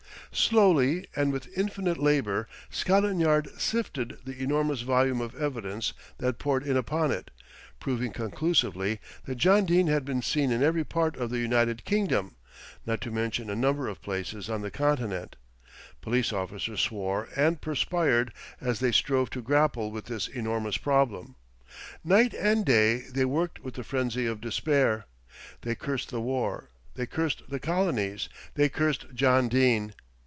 Slowly and with infinite labour Scotland Yard sifted the enormous volume of evidence that poured in upon it, proving conclusively that John Dene had been seen in every part of the United Kingdom, not to mention a number of places on the Continent. Police officers swore and perspired as they strove to grapple with this enormous problem. Night and day they worked with the frenzy of despair. They cursed the war, they cursed the colonies, they cursed John Dene.